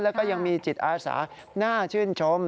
แล้วก็ยังมีจิตอาสาน่าชื่นชม